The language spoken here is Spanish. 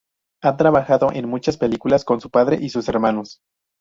Ha trabajado en muchas películas con su padre y sus hermanos.